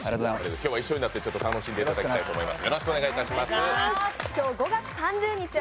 今日は、一緒になって楽しんでいただきたいと思います。